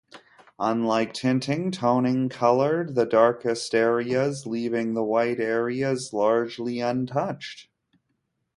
Unlike tinting, toning colored the darkest areas, leaving the white areas largely untouched.